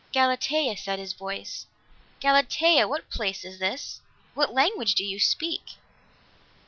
"Galatea," said his voice. "Galatea, what place is this? What language do you speak?"